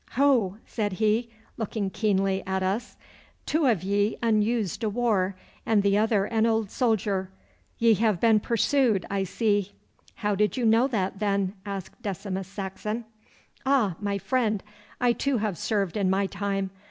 'Ho!' said he, looking keenly at us. 'Two of ye unused to war, and the other an old soldier. Ye have been pursued, I see!' 'How did you know that, then?' asked Decimus Saxon. 'Ah, my friend, I too have served in my time.